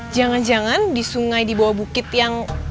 jangan jangan di sungai di bawah bukit yang